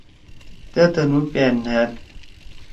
تأ تُنُو پأن نھأد۔